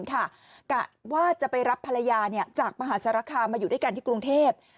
กะว่าจะไปรับภรรยาจากมหาสารคามมาอยู่ด้วยกันที่กรุงเทพ